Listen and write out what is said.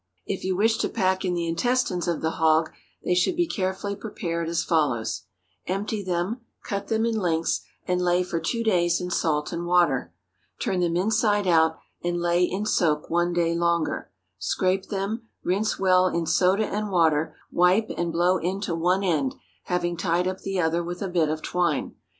If you wish to pack in the intestines of the hog, they should be carefully prepared as follows: Empty them, cut them in lengths, and lay for two days in salt and water. Turn them inside out, and lay in soak one day longer. Scrape them, rinse well in soda and water, wipe, and blow into one end, having tied up the other with a bit of twine.